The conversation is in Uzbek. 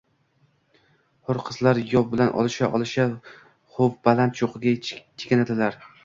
Hur qizlar yov bilan olisha-olisha huv baland choʼqqiga chekinadilar.